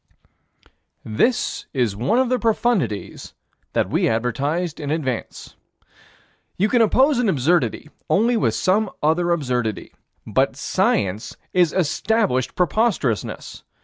This is one of the profundities that we advertised in advance. You can oppose an absurdity only with some other absurdity. But Science is established preposterousness.